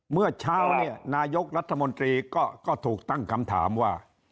เมื่อเช้าเนี่ยนายกรัฐมนตรีก็ถูกตั้งคำถามว่า